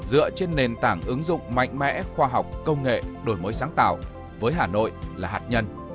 dựa trên nền tảng ứng dụng mạnh mẽ khoa học công nghệ đổi mới sáng tạo với hà nội là hạt nhân